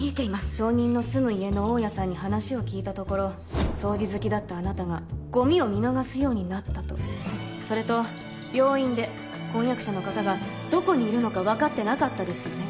証人の住む家の大家さんに話を聞いたところ掃除好きだったあなたがゴミを見逃すようになったとそれと病院で婚約者の方がどこにいるのか分かってなかったですよね？